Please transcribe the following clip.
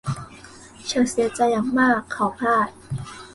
ฉันเสียใจอย่างมากเขาพลาด